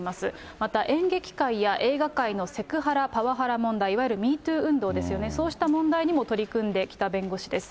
また演劇界や映画界のセクハラ、パワハラ問題、いわゆる♯ＭｅＴｏｏ運動ですよね、そうした問題にも取り組んできた弁護士です。